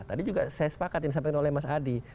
tadi juga saya sepakatin sampai oleh mas adi